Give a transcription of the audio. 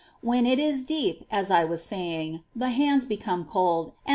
When it is deep, as I was saying, the hands become cold, and ^ See Life, ch.